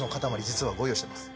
実はご用意してます